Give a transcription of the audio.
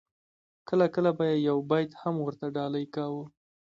کله کله به یې یو بیت هم ورته ډالۍ کاوه.